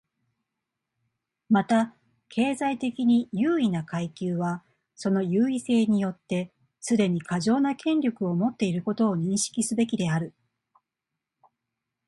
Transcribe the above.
また、経済的に優位な階級はその優位性によってすでに過剰な権力を持っていることを認識すべきである。